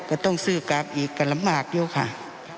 ก็ต้องซื้อกลับอีกก็ลำบากอยู่ค่ะ